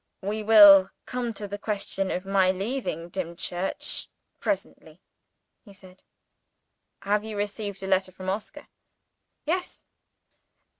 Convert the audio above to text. "We will come to the question of my leaving Dimchurch presently," he said. "Have you received a letter from Oscar?" "Yes."